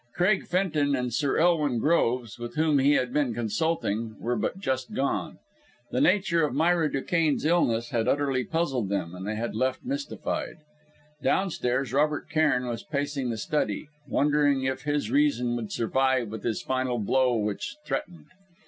Craig Fenton and Sir Elwin Groves, with whom he had been consulting, were but just gone. The nature of Myra Duquesne's illness had utterly puzzled them, and they had left, mystified. Downstairs, Robert Cairn was pacing the study, wondering if his reason would survive this final blow which threatened.